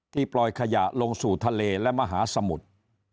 ปล่อยขยะลงสู่ทะเลและมหาสมุทร